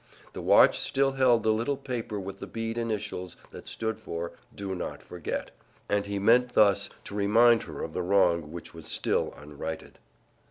The watch still held the little paper with the bead initials that stood for "Do not forget," and he meant thus to remind her of the wrong which was still unrighted.